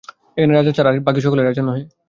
এখানে রাজা ছাড়া আর বাকী সকলেই রাজা নহে।